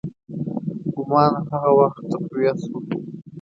ګومان هغه وخت تقویه شو.